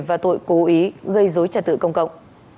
và tội cố ý gây dối trật tự công cộng